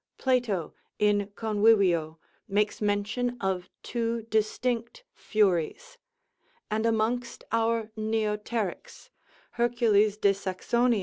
Plato, in Convivio, makes mention of two distinct furies; and amongst our neoterics, Hercules de Saxonia lib.